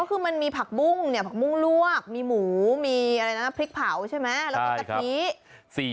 ก็คือมันมีผักบุ้งเนี่ยผักบุ้งลวกมีหมูมีอะไรนะพริกเผาใช่ไหมแล้วก็กะทิ